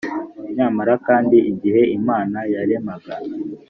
nyamara kandi, igihe imana yaremaga